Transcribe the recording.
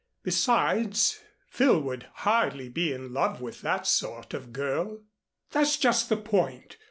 "Besides, Phil would hardly be in love with that sort of girl." "That's just the point.